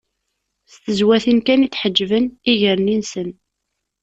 S tezwatin kan i d-ḥeǧben iger-nni-nsen.